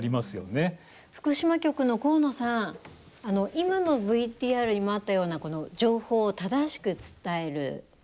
今のＶＴＲにもあったようなこの情報を正しく伝える試み